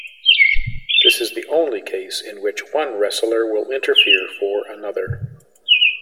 This is the only case in which one wrestler will interfere for another.